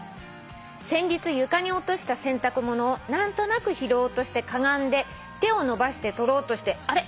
「先日床に落とした洗濯物を何となく拾おうとしてかがんで手を伸ばして取ろうとしてあれ？